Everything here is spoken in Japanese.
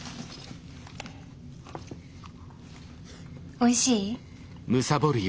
おいしい？